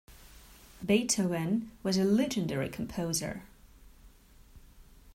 Beethoven was a legendary composer.